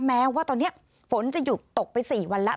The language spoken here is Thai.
แม้ว่าตอนนี้ฝนจะหยุดตกไป๔วันแล้ว